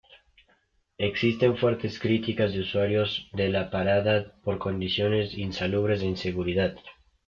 Existen fuertes críticas de usuarios de la parada por condiciones insalubres e inseguridad.